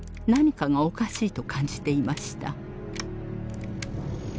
何かがおかしいと感じていました。